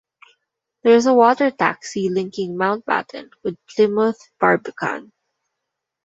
There is a water-taxi linking Mountbatten with Plymouth Barbican.